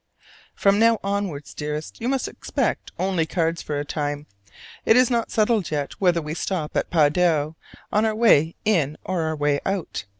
From now onwards, dearest, you must expect only cards for a time: it is not settled yet whether we stop at Padua on our way in or our way out.